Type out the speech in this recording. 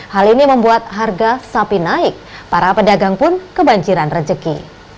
hal ini membuat harga sapi naik para pedagang pun kebanjiran rejeki